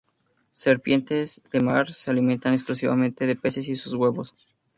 Serpientes de mar se alimentan exclusivamente de peces y sus huevos.